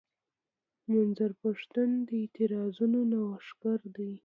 منظور پښتين د اعتراضونو نوښتګر دی.